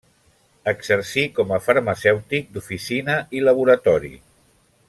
Exercí com a farmacèutic d’oficina i laboratori.